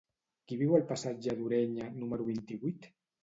Qui viu al passatge d'Ureña número vint-i-vuit?